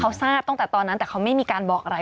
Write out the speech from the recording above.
เขาทราบตั้งแต่ตอนนั้นแต่เขาไม่มีการบอกอะไร